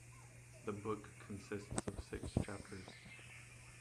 The book consists of Six Chapters.